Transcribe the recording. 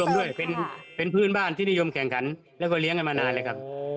ด้วยเป็นเพื่อนบ้านที่นิยมแข่งขันแล้วก็เลี้ยงกันมานานเลยครับ